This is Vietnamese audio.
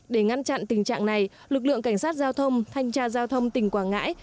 để ngăn chặn tình trạng này lực lượng cảnh sát giao thông thanh tra giao thông tỉnh quảng ngãi